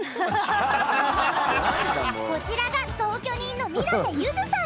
こちらが同居人の水瀬ゆずさん。